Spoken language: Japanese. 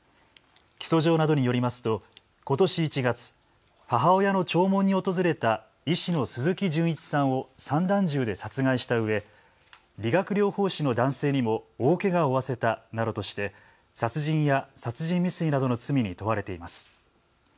起訴状などによりますとことし１月、母親の弔問に訪れた医師の鈴木純一さんを散弾銃で殺害したうえ理学療法士の男性にも大けがを負わせたなどとして殺人や殺人未遂などの罪に問われています。